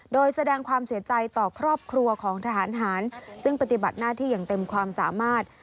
โดยแสดงความเสียใจต่อครอบครัวของทหารหารซึ่งปฏิบัติหน้าที่อย่างเต็มความสามารถ